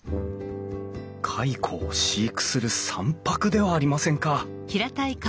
蚕を飼育する蚕箔ではありませんか。